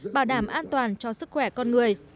bảo đảm an toàn cho sức khỏe con người